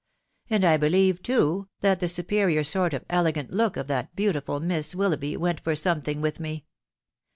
..• And I believe, too, that the superior sort of elegant look of that beautiful Miss Wil loughby went for something with me.